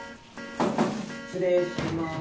失礼します。